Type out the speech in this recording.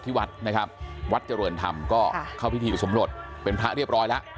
ที่วัดนะครับวัดเจริญธรรมก็เข้าพิธีสมรสเป็นพระเรียบร้อยแล้ว